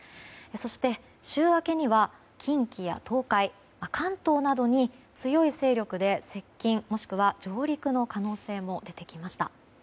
そして、週明けには近畿や東海、関東などに強い勢力で接近、もしくは上陸の可能性も出てきました。